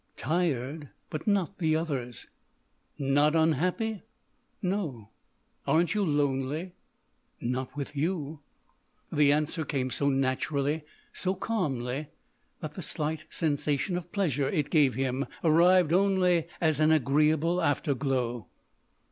"Tired, but not the—others." "Not unhappy?" "No." "Aren't you lonely?" "Not with you." The answer came so naturally, so calmly, that the slight sensation of pleasure it gave him arrived only as an agreeable afterglow.